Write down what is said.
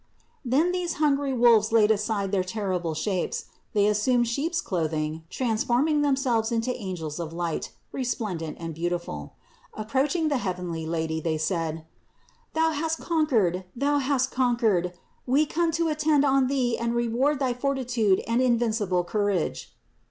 343. Then these hungry wolves laid aside their terri ble shapes : they assumed sheeps' clothing, transforming themselves into angels of light, resplendent and beautiful. Approaching the heavenly Lady, they said: "Thou hast conquered, Thou hast conquered, we come to attend on Thee and reward thy fortitude and invincible courage."